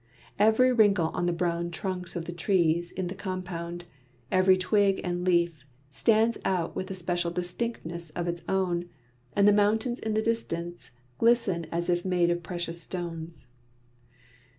Every wrinkle on the brown trunks of the trees in the compound, every twig and leaf, stands out with a special distinctness of its own, and the mountains in the distance glisten as if made of precious stones.